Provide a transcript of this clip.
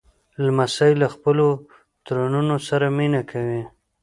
لمسی له خپلو ترونو سره مینه کوي.